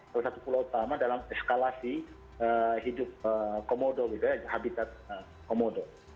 salah satu pulau utama dalam eskalasi hidup komodo gitu ya habitat komodo